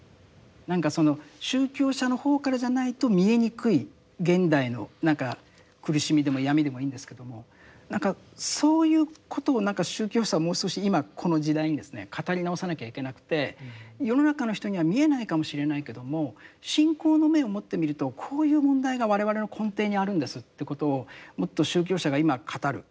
何か宗教者の方からじゃないと見えにくい現代の何か苦しみでも闇でもいいんですけども何かそういうことを宗教者はもう少し今この時代にですね語り直さなきゃいけなくて世の中の人には見えないかもしれないけども信仰の目を持ってみるとこういう問題が我々の根底にあるんですということをもっと宗教者が今語る。